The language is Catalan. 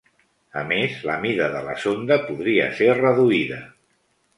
A més, la mida de la sonda podria ser reduïda.